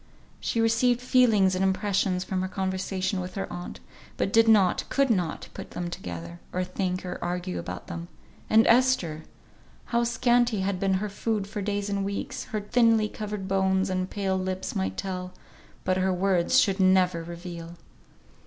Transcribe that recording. She received feelings and impressions from her conversation with her aunt, but did not, could not, put them together, or think or argue about them. And Esther! How scanty had been her food for days and weeks, her thinly covered bones and pale lips might tell, but her words should never reveal!